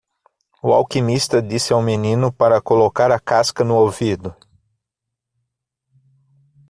O alquimista disse ao menino para colocar a casca no ouvido.